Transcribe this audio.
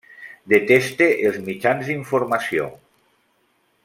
Deteste els mitjans d’informació.